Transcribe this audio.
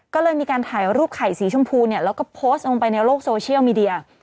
ก็เลยมีการถ่ายรูปไข่สีชมพูเนี่ยแล้วก็โพสต์ลงไปในโลกโซเชียลมีเดีย